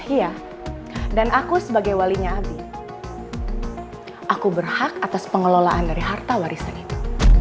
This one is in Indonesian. iya dan aku sebagai walinya abi aku berhak atas pengelolaan dari harta warisan itu